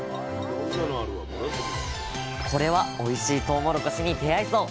これはおいしいとうもろこしに出会えそう！